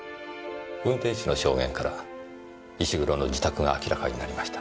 運転手の証言から石黒の自宅が明らかになりました。